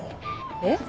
えっ？